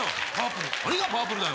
何がパープルだよ！